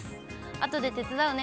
あとで手伝うね。